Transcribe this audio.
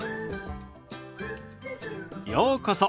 ようこそ。